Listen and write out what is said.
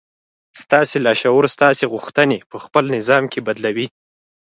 ستاسې لاشعور ستاسې غوښتنې پهخپل نظام کې بدلوي